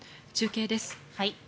中継です。